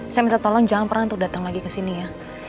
saya minta tolong jangan pernah datang lagi kesini ya